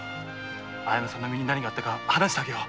綾乃さんの身に何があったか話してあげよう。